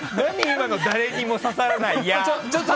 今の誰にも刺さらない矢。